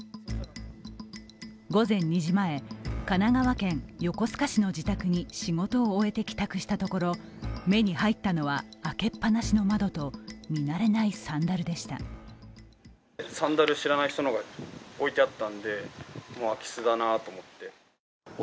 午前２時前、神奈川県横須賀市の自宅に仕事を終えて帰宅したところ、目に入ったのは、開けっ放しの窓と見慣れないサンダルでした。